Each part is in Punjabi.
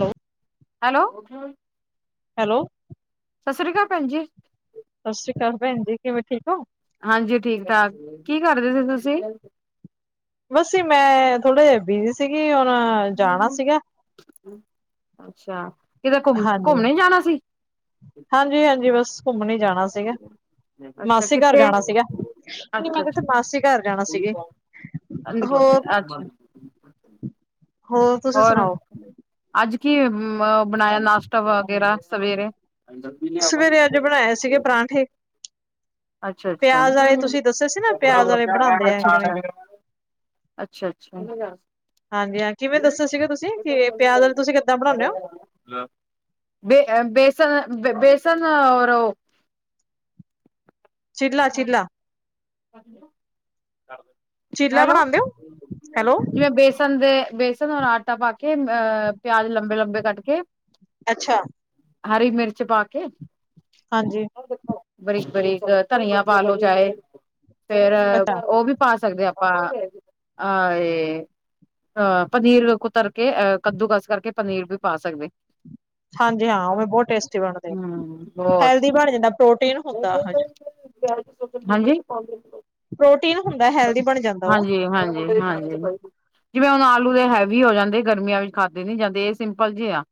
ਹੈਲੋ। ਹੈਲੋ। ਹੈਲੋ। ਸਸ ਸ੍ਰੀ ਅਕਾਲ ਭੈਣ ਜੀ। ਸਤਿ ਸ਼੍ਰੀ ਅਕਾਲ ਭੈਣ ਜੀ। ਕਿਵੇਂ, ਠੀਕ ਓਂ? ਹਾਂਜੀ, ਠੀਕ-ਠਾਕ, ਕੀ ਕਰਦੇ ਸੀ ਤੁਸੀ? ਬਸੀ ਜੀ, ''ਮੈਂ ਥੋੜਾ ਜਾ ਬਿਜੀ ਸੀਗੀ, ਹੁਣ ਜਾਣਾ ਸੀਗਾ। ਅੱਛਾ, ਕਿਤੇ ਘੁੰਮ, ਘੁੰਮਣੇ ਜਾਣਾ ਸੀ? ਹਾਂਜੀ-ਹਾਂਜੀ, ਬਸ ਘੁੰਮਣੇ ਹੀ ਜਾਣਾ ਸੀਗਾ। ਅੱਛਾ ਮਾਸੀ ਘਰ ਕਿੱਥੇ ਜਾਣਾ ਸੀਗਾ, ਅੱਛਾ 'ਮੈਂ'ਮਾਸੀ ਘਰ ਜਾਣਾ ਸੀਗੇ। ਅੰ ਹੋਰ, ਬ ਤੁਸੀਂ ਹੋਰ, ਸੁਣਾਓ? ਅੱਜ ਕੀ ਬਣਾਇਆ ਨਾਸ਼ਤਾ ਵਗੈਰਾ, ਸਵੇਰੇ? ਸਵੇਰੇ ਅੱਜ ਬਣਾਏ ਸੀਗੇ, ਪਰਾਂਠੇ। ਅੱਛਾ-ਅੱਛਾ, ਪਿਆਜ ਵਾਲੇ ਤੁਸੀਂ ਦੱਸੇ ਸੀ ਨਾ ਪਿਆਜ ਵਾਲੇ ਬਣਾਉਂਦੇ ਆ ਅਛਾ-ਅੱਛਾ। ਕਿਵੇਂ? ਅੱਛਾ-ਅੱਛਾ। ਹਾਂਜੀ-ਹਾਂ, ਕਿਵੇਂ ਦੱਸਿਆ ਸੀਗੇ ਤੁਸੀਂ? ਕਿ, ਪਿਆਜ਼ ਵਾਲੇ ਤੁਸੀਂ ਕਿੱਦਾਂ ਬਣਾਉਂਨੇ ਓ? ਬੇ, ਬੇਸਨ, ਬੇਸਨ ਔਰ ਓ। ਚਿੱਲਾ, ਚਿੱਲਾ। ਚੀਲਾ ਹੈਲੋ, ਬਣਾਉਂਦੇ ਹੋ ਹੈਲੋ ਜਿਵੇਂ ਬੇਸ ਬੇਸਨ ਦੇ, ਬੇਸਨ ਔਰ ਆਟਾ ਪਾਕੇ ਅ, ਪਿਆਜ ਲੰਬੇ-ਲੰਬੇ ਕੱਟਕੇ। ਅੱਛਾ। ਹਰੀ ਮਿਰਚ ਪਾਕੇ। ਹਾਂਜੀ ਬਰੀਕ-ਬਰੀਕ ਧਨੀਆ ਪਾਲੋ ਚਾਹੇ, ਫੇਰ ਅੱਛਾ ਉਹ ਵੀ ਪਾ ਸਕਦੇ, ਆਪਾ ਆ ਏ ਅ, ਪਨੀਰ ਕੁਤਰਕੇ, ਅ ਕੱਦੂਕਸ ਕਰਕੇ ਪਨੀਰ ਵੀ ਪਾ ਸਕਦੇ। ਹਾਂਜੀ ਹਾਂ ਉਵੇਂ ਬਹੁਤ ਟੇਸਟੀ ਬਣਦੇ। ਹੂੰ, ਬਹੁਤ। ਹੈਲਦੀ ਬਣ ਜਾਂਦਾ ਪ੍ਰੋਟੀਨ ਹੁੰਦਾ [unintelligible] ਹਾਂਜੀ। ਪ੍ਰੋਟੀਨ ਹੁੰਦੈ। ਹਾਂਜੀ, ਹਾਂਜੀ, ਹਾਂਜੀ। ਜਿਵੇਂ ਹੁਨ ਆਲੂ ਦੇ ਹੈਵੀ ਹੋ ਜਾਂਦੇ ਗਰਮੀਆਂ ਵਿੱਚ ਖਾਦੇ ਨੀ ਜਾਂਦੇ ਏ ਸਿੰਪਲ ਜੇ ਆ।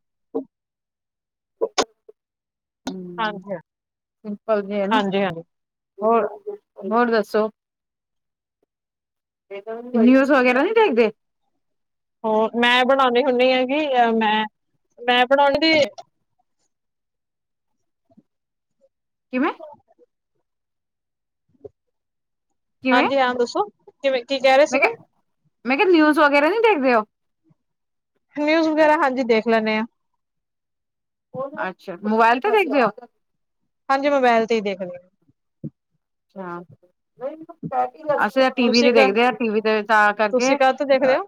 [inaudible] ਹਾਂਜੀ ਸਿੰਪਲ ਜੇਆ ਨਾ। ਹਾਂਜੀ ਹਾਂਜੀ ਹੋਰ, ਹੋਰ ਦੱਸੋ? ਨਿਊਜ਼ ਵਗੈਰਾ ਨੀ ਦੇਖਦੇ? ਹੋਰ ਮੈਂ ਬਣਾਨੀ ਹੁੰਨੀ ਆ ਜੀ ਮੈਂ, ਮੈਂ ਬਣੋਂਦੀ ਕਿਵੇਂ? ਕਿਵੇਂ ਹਾਂਜੀ, ਹਾਂ ਦੱਸੋ ਕਿਵੇਂ ਕੀ ਕੈ ਰੇ ਸੀ? ਮੈਂ ਕਿਹਾ ਮੈਂ ਕਿਆ ਨਿਊਜ਼ ਵਗੈਰਾ ਨੀ ਦੇਖਦੇ ਓ? ਨਿਊਜ਼ ਵਗੈਰਾ ਹਾਂਜੀ ਦੇਖ ਲੈਨੇ ਆਂ। ਅੱਛਾ, ਮੋਬਾਇਲ ਤੋ ਦੇਖਦੇ ਓ? ਹਾਂਜੀ, ਮੋਬਾਇਲ ਤੇ ਈ ਦੇਖਨੇ। ਹਾਂ ਅਸੀਂ ਤਾ ਟੀ -ਵੀ ਤੁਸੀਂ ਤੇ ਕ ਦੇਖਦੇ ਆ ਟੀ- ਵੀ ਤੇ ਤਾਂ ਕਰਕੇ ਤੁਸੀਂ ਕਾਹ ਤੋਂ ਦੇਖਦੇ ਅ ਹੋ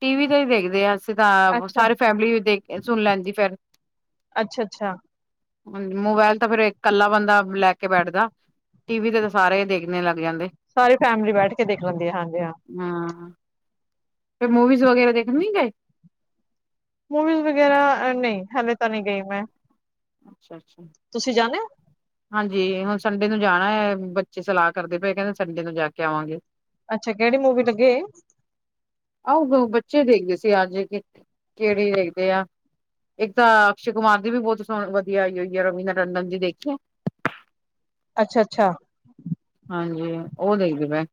ਟੀ ਵੀ ਤੇ ਈ ਦੇਖਦੇ ਆਂ ਅਸੀਂ ਤਾਂ ਆਪ ਅੱਛਾ ਸਾਰੀ ਫੈਮਲੀ ਵੀ ਦੇਖ ਸੁਣ ਲੈਂਦੀ ਫੇਰ। ਅੱਛ, ਅੱਛਾ ਮੋਬਾਇਲ ਤਾਂ ਫੇਰ ਇੱਕ ਕੱਲਾ ਬੰਦਾ ਲੈ ਕੇ ਬੈਠਦਾ। ਟੀ ਵੀ ਤੇ ਤਾ ਸਾਰੇ ਈ ਦੇਖਨੇ ਲੱਗ ਜਾਂਦੇ। ਸਾਰੀ ਫੈਮਿਲੀ ਬੈਠ ਕੇ ਦੇਖ ਲੈਂਦੀ ਏ ਹਾਂਜੀ ਹਾਂ। ਹਾਂ, ਫਿਰ ਮੂਵੀਜ਼ ਵਗੈਰਾ ਦੇਖਣ ਨੀ ਗਏ? ਮੂਵੀਜ਼ ਵਗੈਰਾ ਅ ਨਈ ਹਲੇੇ ਤਾ ਨੀ ਗਈ ਮੈ। ਅੱਛਾ, ਅੱਛਾ ਹਾਂਜੀ ਹੁਨ ਸੰਡੇ ਨੂੰ ਜਾਣਾ ਏ ਬੱਚੇ ਸਲਾਹ ਕਰਦੇ ਪਏ ਕੈਂਦੇ ਸੰਡੇ ਨੂੰ ਜਾ ਕੇ ਆਵਾਂਗੇ। ਅੱਛਾ ਕੇੜੀ ਮੂਵੀ ਲੱਗੀ ਏ? ਆਓ ਓ ਬੱਚੇ ਦੇਖਦੇ ਸੀ ਅੱਜ ਕਿ ਕੇੜੀ ਦੇਖਦੇ ਆ। ਇੱਕ ਤਾਂ ਅਕਸ਼ੇ ਕੁਮਾਰ ਦੀ ਵੀ ਬਹੁਤ ਸੋਹ ਵਧੀਆ ਆਈ ਹੋਈ ਐ ਰਵੀਨਾ ਟੰਡਨ ਦੀ ਦੇਖੀ ਆ? [inaudible] ਅੱਛਾ, ਅੱਛਾ। ਹਾਂਜੀ ਓ ਦੇਖਦੇ ਪੈ।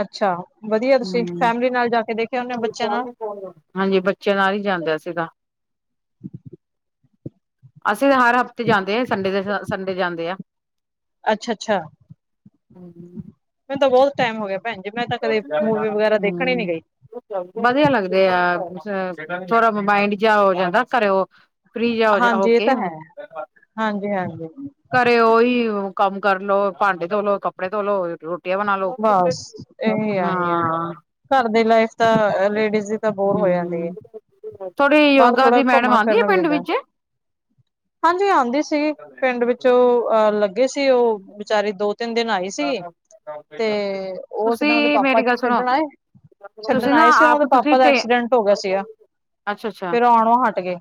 ਅੱਛਾ, ਵਦੀਆ ਤੁਸੀ ਹੂੰ। ਫੈਮਲੀ ਨਾਲ ਜਾ ਕੇ ਦੇਖ ਹਾਂਜੀ ਬੱਚੇ ਨਾਲ ਈ ਜਾਂਦੇ ਅਸੀ ਤਾ। ਅਸੀ ਹਰ ਹਫ਼ਤੇ ਜਾਂਦੇ, ਸੰਡੇ ਦੇ ਸੰਡੇ ਜਾਂਦੇ ਆ। ਅੱਛ, ਅੱਛਾ ਹਾਂਜੀ। ਮੈਨੂੰ ਤਾ ਬੌਤ ਟਾਈਮ ਹੋ ਗਿਆ ਭੈਣ ਜੀ ਮੈਂ ਤਾ ਕਦੇ ਮੂਵੀ ਵਗੈਰਾ ਦੇਖਣ ਈ ਨੀ ਗਈ। ਬਧੀਆ ਲੱਗਦੇ ਆ ਸ ਥੋੜਾ ਮਾਇੰਡ ਜੇਆ ਹੋ ਜਾਂਦਾ ਘਰੋ। ਹਾਂਜੀ ਏ ਤਾ ਹੈ ਹਾਂਜੀ, ਹਾਂਜੀ। ਘਰੇ ਓਹੀ ਓ ਕੰਮ ਕਰ ਲੋ, ਭਾਂਡੇ ਧੋ ਲੋ, ਕੱਪੜੇ ਧੋ ਲੋ, ਰੋਟ ਬਸ ਏਹੇ ਆ ਏਹੇ ਆ। ਹਾਂ ਘਰ ਦੀ ਲਾਈਫ ਤਾਂ ਲੇਡੀਜ਼ ਦੀ ਤਾ ਬੋਰ ਹੋ ਜਾਂਦੀ ਏ ਹੂੰ। ਥੋੜੀ ਪਰ ਯੋਗਾ ਥੋੜਾ ਦੀ ਮੈਡਮ ਘੁੰਮਾ ਆਉਂਦੀ ਹੈ ਫਿਰਨ ਵੀ ਪਿੰਡ ਹੁੰਦੈ। ਵਿੱਚ ਹਾਂਜੀ, ਆਂਦੀ ਸੀਗੀ ਪਿੰਡ ਵਿੱਚ ਓ ਅ ਲੱਗੇ ਸੀ ਓ ਵਿਚਾਰੀ ਦੋ ਤਿੰਨ ਦਿਨ ਆਈ ਸੀ ਤੇ ਉਹ ਇੱਕ ਦਿਨ ਉਹਦੇ ਤੁਸੀਂ ਪਾਪਾ ਮੇਰੀ ਗੱਲ ਸੁਣੋ ਛੱਡਣ ਆਏ। ਤੁਸੀਂ ਛੱਡਣ ਨਾ ਆਏ ਸੀ ਉਹ ਆਪ ਉਹਦੇ ਤੁਸੀਂ ਪਾਪਾ ਦਾ ਟੇ ਐਕਸੀਡੈਂਟ ਹੋ ਗਿਆ ਸੀਗਾ ਅੱਛਾ-ਅੱਛਾ ਫੇਰ ਆਉਣੇ ਹਟ ਗਏ।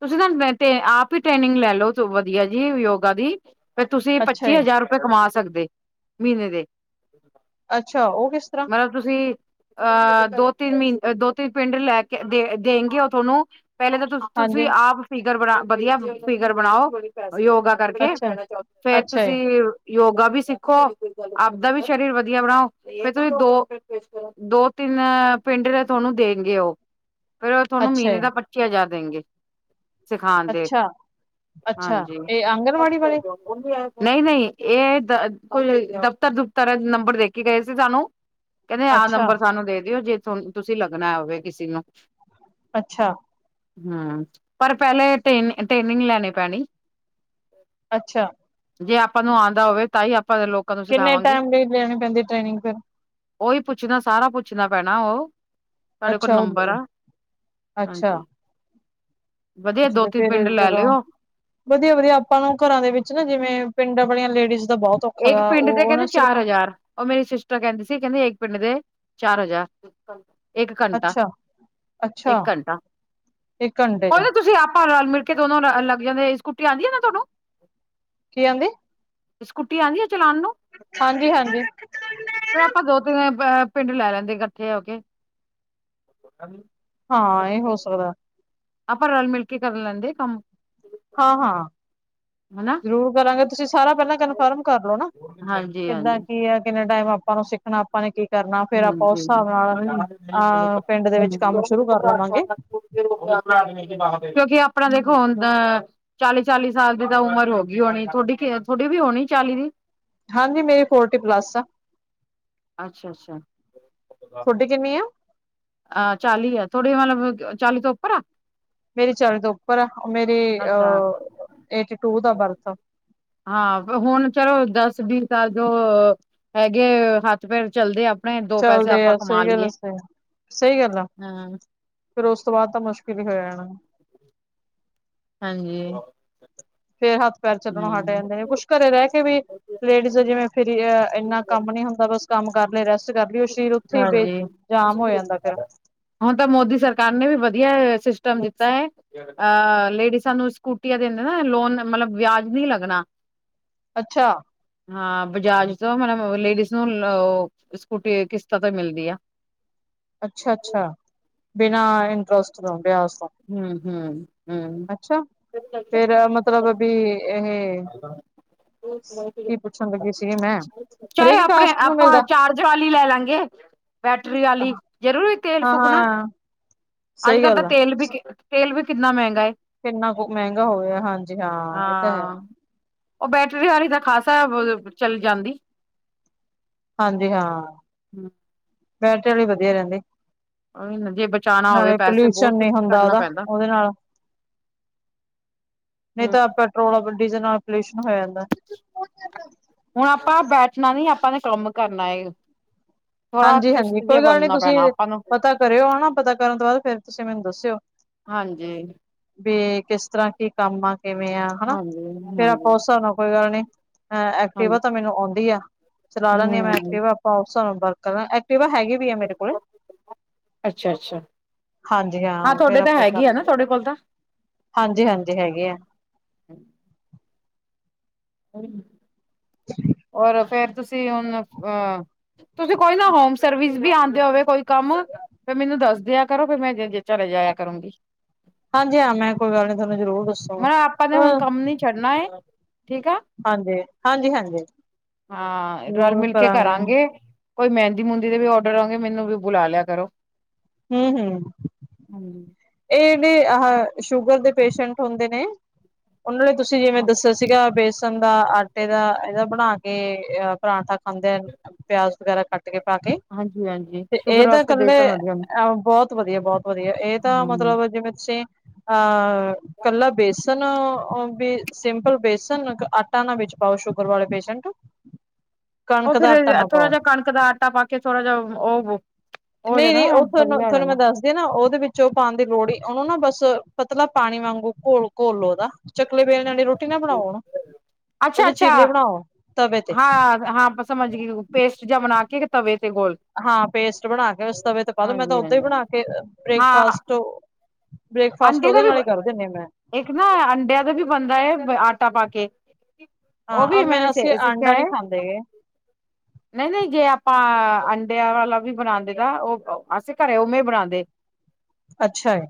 ਤੁਸੀਂ ਨਾ ਬੇਟੇ ਆਪ ਹੀ ਟ੍ਰੇਨਿੰਗ ਲੈ ਲਓ ਵਧੀਆ ਜੀ ਯੋਗਾ ਦੀ। ਫੇਰ ਤੁਸੀਂ ਅੱਛਾ ਪੱਚੀ ਜੀ ਹਜ਼ਾਰ ਰੁਪਏ ਕਮਾ ਸਕਦੇ ਮਹੀਨੇ ਦੇ। ਅੱਛਾ ਉਹ ਕਿਸ ਤਰ੍ਹਾਂ? ਮਤਲਬ ਤੁਸੀਂ ਅ ਦੋ-ਤਿੰਨ ਮਹੀਨ ਦੋ-ਤਿੰਨ ਪਿੰਡ ਲੈ ਕੇ ਦੇ ਦੇਗੇ ਉਹ ਤੁਹਾਨੂੰ ਪਹਿਲੇ ਤਾਂ ਤੁਸੀਂ ਹਾਂਜੀ ਆਪ ਫਿਗਰ ਬਣਾ ਵਧੀਆ ਫਿਗਰ ਬਣਾਓ ਯੋਗਾ ਕਰਕੇ। ਅੱਛਾ ਫੇਰ ਅੱਛਾ ਜੀ ਤੁਸੀਂ ਯੋਗਾ ਵੀ ਸਿੱਖੋ ਆਪਦਾ ਵੀ ਸਰੀਰ ਵਧੀਆ ਬਣਾਓ ਫੇ ਤੁਸੀਂ ਦੋ ਦੋ-ਤਿੰਨ ਪਿੰਡ ਤੇ ਤੁਹਾਨੂੰ ਦੇਣਗੇ ਉਹ। ਫੇਰ ਤੁਹਾਨੂੰ ਅੱਛਾ ਮਹੀਨੇ ਜੀ ਦਾ ਪੱਚੀ ਹਜ਼ਾਰ ਦੇਣਗੇ। ਸਿਖਾਦੇ ਅੱਛਾ ਅੱਛਾ ਹਾਂਜੀ ਇਹ ਆਂਗਣਵਾੜੀ ਵਾਲੇ [inaudible] ਨਹੀਂ-ਨਹੀਂ ਇਹ ਕੋ ਦਫ਼ਤਰ-ਦੁਫ਼ਤਰ ਨੰਬਰ ਦੇ ਕੇ ਗਏ ਸੀ ਸਾਨੂੰ। ਕਹਿੰਦੇ ਆਹ ਅੱਛਾ, ਨੰਬਰ ਸਾਨੂੰ ਦੇ ਦਿਓ ਜੇ ਤੁ ਤੁਸੀਂ ਲੱਗਣਾ ਹੋਵੇ ਕਿਸੇ ਨੂੰ। ਅੱਛਾ ਹੂੰ ਪਰ ਪਹਿਲੇ ਟੇਨ ਟੇਨਿੰਗ ਲੈਣੀ ਪੈਣੀ। ਅੱਛਾ। ਜੇ ਆਪਾਂ ਨੂੰ ਆਦਾ ਹੋਵੇ ਤਾਂ ਹੀ ਆਪਾਂ ਲੋਕ ਕਿੰਨੇ ਟਾਈਮ ਲਈ ਲੇਣੀ ਪੈਂਦੀ ਟ੍ਰੇਨਿੰਗ ਫੇਰ ਉਓਹੀ ਪੁੱਛਣਾ ਸਾਰਾ ਪੁੱਛਣਾ ਪੈਣਾ ਉਹ। ਸਾਡੇ ਕੋਲ ਅੱਛਾ ਨੰਬਰ ਆ, ਉਹ ਅੱਛਾ, ਹਾਂਜੀ ਵਧੀਆ ਅੱਛਾ ਦੋ ਜੀ ਤਿੰਨ ਫੇਰ ਪਿੰਡ ਲੈ ਜਦੋਂ ਲਿਓ ਵਧੀਆ-ਵਧੀਆ ਆਪਾਂ ਨੂੰ ਘਰਾਂ ਦੇ ਵਿੱਚ ਨਾ ਜਿਵੇਂ ਪਿੰਡਾਂ ਵਾਲੀਆਂ ਲੇਡੀਜ਼ ਦਾ ਬਹੁਤ ਔਖਾ ਇੱਕ ਗਾ ਪਿੰਡ ਤੇ ਉਹ ਉਹ ਕਹਿੰਦੇ ਨਾ ਚਾਰ ਸਿਰਫ ਹਜ਼ਾਰ। ਉਹ ਮੇਰੀ ਸਿਸਟਰ ਕਹਿੰਦੀ ਸੀ ਕਹਿੰਦੀ ਇੱਕ ਪਿੰਡ ਦੇ ਚਾਰ ਹਜਾਰ। ਇੱਕ ਘੰਟਾ ਅੱਛਾ, ਇੱਕ ਅੱਛਾ ਘੰਟਾ ਇੱਕ ਘੰਟੇ ਚ ਕੋਈ ਨੀ ਤੁਸੀਂ ਆਪਾਂ ਰਲ-ਮਿਲ ਕੇ ਦੋਨੋ ਲੱਗ ਜਾਂਦੇ ਸਕੂਟੀ ਆਉਂਦੀ ਹੈ ਨਾ ਤੁਹਾਨੂੰ। ਕੀ ਆਦੀ? ਸਕੁਟੀ ਆਂਦੀ ਹੈ ਚਲਾਉਣ ਨੂੰ? ਹਾਂਜੀ-ਹਾਂਜੀ। ਫੇਰ ਆਪਾਂ ਦੋ-ਤਿੰਨ ਪਿੰਡ ਲੈ ਲੈਂਦੇ ਇਕੱਠੇ ਹੋ ਕੇ। ਹਾਂ ਇਹ ਹੋ ਸਕਦੈ। ਆਪਾਂ ਰਲ-ਮਿਲ ਕੇ ਕਰ ਲੈਂਦੇ ਕੰਮ। ਹਾਂ-ਹਾਂ ਹਨਾ ਜ਼ਰੂਰ ਕਰਾਂਗੇ ਤੁਸੀਂ ਸਾਰਾ ਪਹਿਲਾਂ ਕਨਫਰਮ ਕਰਲੋ ਨਾ ਹਾਂਜੀ ਹਾਂਜੀ ਕਿੱਦਾਂ ਕੀ ਆ ਕਿੰਨੇ ਟਾਈਮ ਆਪਾਂ ਨੂੰ ਸਿੱਖ ਨਾ ਆਪਾਂ ਨੇ ਕਰਨਾ ਫੇਰ ਹਾਂਜੀ ਆਪਾਂ ਉਸ ਹਿਸਾਬ ਨਾਲ ਅ ਪਿੰਡ ਦੇ ਵਿੱਚ ਕੰਮ ਸ਼ੁਰੂ ਕਰ ਲਵਾਂਗੇ। ਕਿਉਂਕਿ ਆਪਣਾ ਦੇਖੋ ਹੁਨ ਅ ਚਾਲੀ-ਚਾਲੀ ਸਾਲ ਦੀ ਤਾਂ ਉਮਰ ਹੋ ਗਈ ਹੋਣੀ ਥੋਡੀ ਥੋਡੀ ਵੀ ਹੋਣੀ ਚਾਲੀ ਦੀ। ਹਾਂਜੀ ਮੇਰੀ ਫੋਰਟੀ ਪਲੱਸ ਆ। ਅੱਛਾ-ਅੱਛਾ ਥੋਡੀ ਕਿਨੀ ਆ। ਅ ਚਾਲੀ ਆ, ਥੋੜੇ ਮਤਲਬ ਚਾਲੀ ਤੋਂ ਉੱਪਰ ਆ। ਮੇਰੀ ਚਾਲੀ ਤੋਂ ਉੱਪਰ ਐ, ਮੇਰੀ ਅੱਛਾ ਏਟੀ ਟੂ ਦਾ ਬਰਥ ਐ। ਹਾਂ, ਹੁਨ ਚਲੋ ਦਸ ਵੀਹ ਸਾਲ ਜੋ ਹੈਗੇ ਹੱਥ-ਪੈਰ ਚੱਲਦੇ ਅਪ ਚੱਲਦੇ ਆ, ਸਈ ਗੱਲ ਆ, ਸਈ ਗੱਲ, ਸਈ ਗੱਲ ਆ। ਹਾਂ ਫੇਰ ਓਸ ਤੋਂ ਬਾਦ ਤਾਂ ਮੁਸ਼ਕਿਲ ਹੀ ਹੋ ਜਾਣਾ। ਹਾਂਜੀ। ਫੇਰ ਹੱਥ-ਪੈਰ ਚੱਲਣ ਤੋਂ ਹਾਂ ਹਟ ਜਾਂਦੇ ਨੇ, ਕੁੱਛ ਘਰੇ ਰੈ ਕੇ ਵੀ ਲੇਡੀਜ਼ ਜਿਵੇਂ ਫੇਰ ਇੰਨਾ ਕੰਮ ਨੀ ਹੁੰਦਾ, ਬਸ ਕੰਮ ਕਰ ਲਏ, ਰੈਸਟ ਕਰ ਲਈਏ, ਓ ਸਰੀਰ ਓਥੇ ਈ ਬੇ ਜਾਮ ਹੋ ਜਾਂਦਾ ਫੇਰ ਹੁਨ ਤੇ ਮੋਦੀ ਸਰਕਾਰ ਨੇ ਵੀ ਵਧੀਆ ਸਿਸਟਮ ਕਿੱਤਾ ਏ। ਅਹ ਲੇਡੀਸਾ ਨੂੰ ਸਕੂਟੀਆਂ ਦਿੰਦੇ ਨਾ, ਲੋਨ ਮਤਲਬ ਵਿਆਜ ਨਈ ਲੱਗਣਾ। ਅੱਛਾ। ਹਾਂ, ਬਜਾਜ ਤੋਂ ਮਤਬ ਲੇਡੀਜ਼ ਨੂੰ ਓ ਸਕੂਟੀ ਕਿਸਤਾਂ ਤੇ ਮਿਲਦੀ ਆ। ਅੱਛਾ-ਅੱਛਾ, ਬਿਨਾਂ ਇੰਟਰਸਟ ਤੋਂ ਬਿਆਜ ਤੋਂ। ਹੂੰ-ਹੂੰ, ਹੂੰ। ਤਲਬ ਬੀ ਏਹ ਪੁੱਛਣ ਲੱਗੀ ਸੀਗੀ ਮੈਂ ਚਾਹੇ ਹਰੇਕ ਆਪਨੇ ਕਾਸਟ ਨੂੰ ਆਪਾਂ ਮਿਲਦਾ ਚਾਰ ਜਾਲੀ ਲੈ ਲਾਂਗੇ ਬੈਟਰੀ ਆਲੀ, ਜਰੂਰੀ ਤੇਲ ਫੂਕਣਾ। ਹਾਂ-ਹਾਂ ਸਹੀ ਅੱਜ-ਕੱਲ ਤਾਂ ਗੱਲ ਆ ਤੇਲ ਬੀ ਕਿੰ ਤੇਲ ਬੀ ਕਿੰਨਾ ਮੈੰਗਾ ਏ। ਕਿੰਨਾ ਕੁ ਮੈੰਗਾ ਹੋਇਆ, ਹਾਂਜੀ ਹਾਂ ਏ ਤਾਂ ਹੈ। ਓ ਬੈਟਰੀ ਆਲੀ ਤਾਂ ਖਾਸਾ ਵ ਚੱਲ ਜਾਂਦੀ। ਹਾਂਜੀ ਹਾਂ, ਬੈਟਰੀ ਆਲੀ ਵਧੀਆ ਰੈੰਦੀ। ਉਹੀ ਨਾ ਜੇ ਬਚਾਉਣਾ ਹੋਵੇ ਨਾਲੇ ਪੈਸੇ ਬਹੁਤ ਪੋਲਿਊਸ਼ਨ ਕੁਛ ਨੀ ਹੁੰਦਾ ਕਰਨਾ ਓਦਾ, ਪੈਂਦਾ ਓਦੇ ਨਾਲ। ਨਈਂ ਹੂੰ, ਤਾਂ ਪੈਟਰੋਲ, ਡੀਜਲ ਨਾਲ ਪੋਲਿਊਸ਼ਨ ਹੋ ਜਾਂਦੈ। ਹੋਨ ਆਪਾਂ ਬੈਠਣਾ ਨੀ, ਆਪਾਂ ਨੇ ਕੰਮ ਕਰਨਾ ਏ। ਥੋੜਾ ਹਾਂਜੀ-ਹਾਂਜੀ, ਚੁਸਤ ਜਿਹਾ ਕੋਈ ਗੱਲ ਨੀ ਬਣਨਾ ਤੁਸੀਂ ਪੈਣਾ ਆਪਾਂ ਨੂੰ ਪਤਾ ਕਰਿਓ, ਹਨਾ ਪਤਾ ਕਰਨ ਤੋਂ ਬਾਦ ਫੇਰ ਤੁਸੀਂ ਮੈਨੂੰ ਦੱਸਿਓ। ਹਾਂਜੀ। ਵੀ ਕੇਸ ਤਰ੍ਹਾਂ ਕੀ ਕੰਮ ਆ, ਕਿਵੇਂ ਆ, ਹਨਾ। ਹਾਂਜੀ ਫੇਰ ਆਪਾਂ ਹਾਂਜੀ ਓਸ ਸਾਬ ਨਾਲ ਕੋਈ ਗੱਲ ਨੀ, ਅ ਐਕਟੀਵਾ ਹਾਂਜੀ ਤਾਂ ਮੈਨੂੰ ਔੰਦੀ ਆ। ਚਲਾ ਲੈਂਣੀ ਆਂ ਮੈਂ ਹਮ ਐਕਟੀਵਾ, ਅਪਾਂ ਔਫਸਾ ਨਾਲ ਬਰਕਰ ਆਂ। ਐਕਟੀਵਾ ਹੈਗੀ ਵੀ ਐ ਮੇਰੇ ਕੋਲ। ਅੱਛਾ ਅੱਛਾ ਹਾਂਜੀ ਹਾਂ, ਫੇਰ ਤੁਹਾਡੇ ਤਾਂ ਆਪਾਂ ਹੈਗੀ ਆ ਨਾ ਤੁਹਾਡੇ ਕੋਲ ਤਾਂ ਹਾਂਜੀ-ਹਾਂਜੀ, ਹੈਗੇ ਐ। ਔਰ ਫੇਰ ਤੁਸੀਂ ਹੁਣ ਅ ਤੁਸੀਂ ਕੋਈ ਨਾ ਹੋਮ ਸਰਵਿਸ ਵੀ ਆਂਦੇ ਹੁਵੇ ਕੋਈ ਕੰਮ ਫੇਰ ਮੈਨੂੰ ਦੱਸ ਦਿਆ ਕਰੋ ਫੇਰ ਮੈਂ ਜਂਜੇ ਚੱਲੇ ਜਾਇਆ ਕਰੂੰਗੀ। ਹਾਂਜੀ ਹਾਂ, ਮੈਂ ਕੋਈ ਗੱਲ ਨੀ ਥਾਨੂੰ ਜਰੂਰ ਦੱਸ ਮੈਂ ਆਪਾਂ ਨੇ ਹੁਣ ਕੰਮ ਨੀ ਛੱਡਣਾ ਏ। ਠੀਕ ਆ, ਹਾਂਜੀ ਹਾਂਜੀ ਹਾਂਜੀ ਹਾਂ ਰੱਲ-ਮਿੱਲ ਕੇ ਕਰਾਂਗੇ। ਕੋਈ ਮੈੰਦੀ-ਮੂੰਦੀ ਦੇ ਵੀ ਔਡਰ ਆਵੇ, ਮੈਨੂੰ ਵੀ ਬੁਲਾ ਲਿਆ ਕਰੋ। ਹੂੰ-ਹੂੰ। ਹਾਂਜੀ। ਏਨੇ ਆਹ ਸ਼ੂਗਰ ਦੇ ਪੇਸ਼ੈਂਟ ਹੁੰਦੇ ਨੇ ਓਨਾਂ ਲਈ ਤੁਸੀਂ ਜਿਵੇਂ ਦੱਸਿਆ ਸੀਗਾ, ਬੇਸਣ ਦਾ ਆਟੇ ਦਾ ਏਦਾ ਬਣਾ ਕੇ ਅ ਪਰਾਂਠਾ ਖਾਂਦੇ ਅਨ, ਪਿਆਜ ਵਗੈਰਾ ਕੱਟਕੇ ਤੇ ਗੇ ਪਰਾਠੇ, ਹਾਂਜੀ ਹਾਂਜੀ ਤੇ ਏ ਸ਼ੂਗਰ ਤੇ ਵਾਸਤੇ ਕੱਲੇ ਬੇਸਨ ਵਧੀਆ ਨੇ। ਐ ਬੌਤ ਵਧੀਆ, ਬੌਤ ਵਧੀਆ, ਏ ਤਾਂ ਹੂੰ ਮਤਲਬ ਜਿਵੇਂ ਤੁਸੀ, ਅਹ ਕੱਲਾ ਬੇਸ ਤਨ ਓ ਬੀ ਸਿੰਪਲ ਬੇਸਨ, ਆਟਾ ਨਾ ਵਿੱਚ ਪਾਓ, ਸ਼ੂਗਰ ਵਾਲੇ ਪੇਸ਼ੰਟ। ਓਹ ਫਿਰ ਥੋੜ੍ਹਾ ਜਾ ਕਣਕ ਦਾ ਆਟਾ ਪਾਕੇ, ਥੋੜਾ ਜਾ ਓਹ ਵੋ ਨਹੀਂ-ਨਹੀਂ, ਓਹ ਥੋਨੂੰ, ਥੋਨੁੰ ਮੈਂ, ਦੱਸ ਦੇ ਨਾ, ਓਹਦੇ ਵਿੱਚ ਓਹ ਪਾਣ ਦੀ ਲੋੜ ਈ, ਓਹਨੂੰ ਨਾ ਬਸ ਪਤਲਾ ਪਾਣੀ ਵਾਂਗੂ ਘੋਲ, ਘੋਲਲੋ ਓਦਾ। ਚਕਲੇ ਬੇਲਣੇ ਆਲੀ ਰੋਟੀ ਨਾ ਬਣਾਓ ਉਹਨੁੰ, ਅੱਛਾ ਓਦੇ ਅੱਛਾ ਚੀਲੇ ਬਣਾਓ ਤਵੇ ਤੇ। ਹਾਂ ਹਾਂ, ਬਸ ਸਮਝਗੀ ਹੂਂ, ਪੇਸਟ ਜਾ ਬਣਾਕੇ ਤਵੇ ਤੇ ਗੋਲ। ਹਾਂ, ਪੇਸਟ ਬਣਾਕੇ ਬਸ ਤਵੇ ਤੇ ਪਾਦੋ, ਮੈਂ ਤਾਂ ਹਾਂਜੀ ਓਦਾਂ ਈ ਹਾਂਜੀ ਬਣਾਕੇ ਹਾਂ ਬ੍ਰੇਕਫਾਸਟ ਓ ਬ੍ਰੇਕਫਾਸਟ ਅੰਡੇ ਦਾ ਓਦੇ ਵੀ ਨਾਲ ਈ ਕਰਦੇ ਹੁਨੀ ਆਂ, ਮੈਂ। ਇੱਕ ਨਾ, ਅੰਡਿਆਂ ਦਾ ਵੀ ਬਣਦਾ ਏ ਆਟਾ ਪਾਕੇ। ਓਹ ਵੀ, ਹਾਂ ਮੈਂਨੇ ਮੈਂ ਸੇ, ਅਸੀਂ ਸਿੱਖਿਆ ਆਂਡਾ ਏ। ਨੀ ਖਾਂਦੇ ਗੇ ਨਹੀਂ-ਨਹੀਂ, ਜੇ ਆਪਾ ਅੰਡਿਆਂ ਵਾਲਾ ਵੀ ਬਣਾੰਦੇ ਆ, ਓਹ ਅਸੀਂ ਘਰੇ ਉਵੇਂ ਬਣਾੰਦੇ। ਅੱਛਾ ਏ।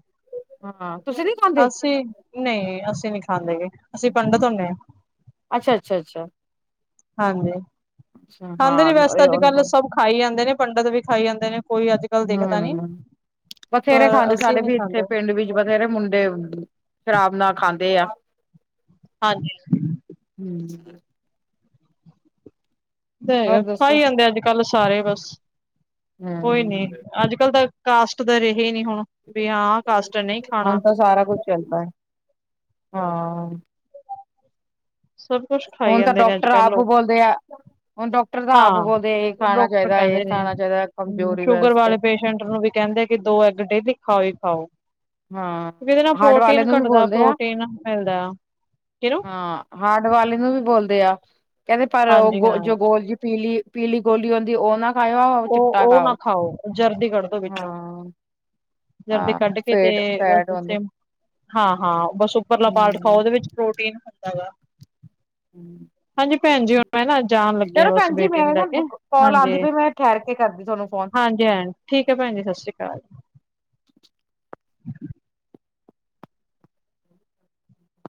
ਹਾਂ, ਤੁਸੀਂ ਨੀ ਖਾਂਦੇ? ਨਹੀਂ-ਨਹੀਂ, ਅਸੀਂ ਨੀ ਖਾਂਦੇ ਗੇ, ਅਸੀਂ ਪੰਡਤ ਹੁੰਨੇ ਆ। ਅੱਛਾ-ਅੱਛਾ, ਅੱਛਾ। ਹਾਂਜੀ, ਖਾਂਦੇ ਨੀ ਹਾਂ ਵੈਸੇ ਅੱਜ-ਕੱਲ, ਸਭ ਖਾਈ ਜਾਂਦੇ ਨੇ, ਪੰਡਿਤ ਵੀ ਖਾਈ ਜਾਂਦੇ ਨੇ, ਕੋਈ ਅੱਜ ਕੱਲ ਦੇਖਦਾ ਨੀ ਹੂੰ, ਬਥੇਰੇ ਪਰ ਖਾਂਦੇ, ਅਸੀਂ ਸਾਡੇ ਨੀ ਵੀ ਇੱਥੇ ਖਾਂਦੇ ਪਿੰਡ ਵੀ ਬਥੇਰੇ ਮੁੰਡੇ, ਸ਼ਰਾਬ ਨਾ ਖਾਂਦੇ ਆ। ਹਾਂਜੀ। ਹੂੰ ਓ ਤੇ ਹੋਰ ਹੈਗਾ, ਦੱਸੋ ਖਾਈ ਜਾਂਦੇ ਅੱਜ-ਕੱਲ ਸਾਰੇ ਬਸ, ਕੋਈ ਨੀ। ਹੂੰ। ਅੱਜ-ਕੱਲ ਤਾ, ਕਾਸਟ ਦਾ ਰਹੇ ਹੀ ਨੀ ਹੁਣ, ਵੀ ਹਾਂ ਕਾਸਟ ਆ, ਨਹੀਂ ਖਾਣਾ। ਹੁਣ ਤਾਂ ਸਾਰਾ ਕੁੱਛ ਚਲਦਾ ਏ, ਹਾਂ। ਸਭ ਕੁਛ ਖਾਈ ਹੁਣ ਤਾਂ ਜਾਂਦੇ ਨੇ, ਡਾਕਟਰ ਅੱਜ-ਕੱਲ ਆਪ ਲੋਕ। ਬੋਲਦੇ ਆ ਹੁਣ ਡਾਕਟਰ ਤਾਂ ਆਪ ਹਾਂ, ਬੋਲਦੇ ਇਹ ਖਾਣਾ ਡਾਕਟਰ ਚਾਹੀਦਾ ਇਹ ਕਹਿੰਦੇ ਨੇ, ਖਾਣਾ ਚਾਹੀਦਾ ਕਮਜ਼ੋਰੀ ਸ਼ੂਗਰ ਵਾਸਤੇ ਵਾਲੇ ਪੇਸ਼ ਇੰਟ ਨੂੰ ਵੀ ਕਹਿੰਦੇ, ਕਿ ਦੋ ਐਗ ਡੇਲੀ ਖਾਓ ਈ ਖਾਓ। ਹਾਂ ਕਿਉਕਿ ਇਹਦੇ ਨਾਲ ਹਾਰਟ ਵਾਲੇ ਪ੍ਰੋਟੀਨ ਨੂੰ ਵੀ ਘੱਟਦਾ, ਬੋਲਦੇ ਆ ਪ੍ਰੋਟੀਨ ਮਿਲਦਾ, ਕਿਹਨੂੰ? ਹਾਰਡ ਵਾਲੇ ਨੂੰ ਵੀ ਬੋਲਦੇ ਆ, ਕਹਿੰਦੇ ਪਰ ਹਾਂਜੀ ਉਹ ਹਾਂ ਜੋ ਗੋਲ ਜੀ ਪੀਲੀ ਪੀਲੀ ਗੋਲੀ ਹੁੰਦੀ ਉਹ ਨਾ ਖਾਇਓ, ਆ ਉਹ ਚਿੱਟਾ ਉਹ ਖਾਓ, ਨਾ ਜਰਦੀ ਕੱਢ ਦੋ ਵਿੱਚੋਂ ਹਾਂ। ਜਰਦੀ ਹਾਂ ਕੱਢਕੇ ਤੇ, ਫੇਟ ਬਸ ਫੈਟ ਹੁੰਦੀ ਉੇ ਹਾਂ-ਹਾਂ, ਬਸ ਉੱਪਰਲਾ ਪਾਰਟ ਖਾਓ ਹਮ ਉਹਦੇ ਵਿੱਚ ਪ੍ਰੋਟੀਨ ਹੁੰਦਾ ਗਾ। ਹਾਂਜੀ ਹੂੰ ਭੈਣ ਜੀ ਹੁਣ ਮੈਂ ਨਾ ਜਾਣ ਲੱਗੀ ਆ ਚਲੋ ਬਸ ਭੈਣ ਜੀ ਬੇਟੀ ਮੈਂ ਨੂੰ ਲੈ ਕੇ ਨਾ, ਕੌਲ ਆਂਦੀ ਪਈ, ਮੈਂ ਠਹਿਰ ਕੇ ਕਰਦੀ ਤੁਹਾਨੂੰ ਫੋਨ। ਜੈਨ, ਠੀਕ ਐ ਭੈਣ ਜੀ, ਸਤਿ ਸ਼੍ਰੀ ਅਕਾਲ।